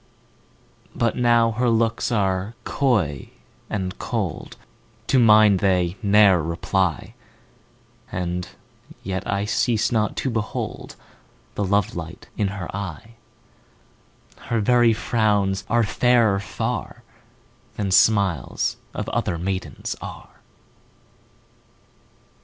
But now her looks are coy and cold, To mine they ne'er reply, And yet I cease not to behold The love light in her eye: 10 Her very frowns are fairer far Than smiles of other maidens are.